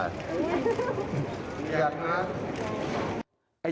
ด้วยอยากนะ